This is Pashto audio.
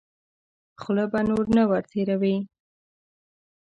خوله به نه ور تېروې.